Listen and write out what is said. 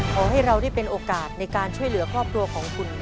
ขอให้เราได้เป็นโอกาสในการช่วยเหลือครอบครัวของคุณ